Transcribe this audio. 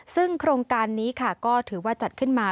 ซึ่งโครงการนี้ค่ะก็ถือว่าจัดขึ้นมา